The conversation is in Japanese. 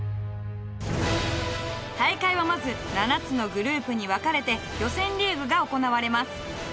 大会はまず７つのグループに分かれて予選リーグが行われます。